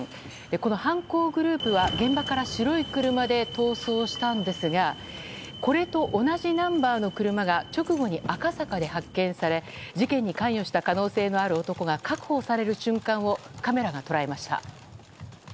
この犯行グループが、現場から白い車で逃走したんですがこれと同じナンバーの車が直後に赤坂で発見され事件に関与した可能性のある男が確保される瞬間をカメラが捉えました。